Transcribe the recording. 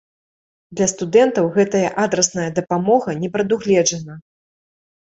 Для студэнтаў гэтая адрасная дапамога не прадугледжана.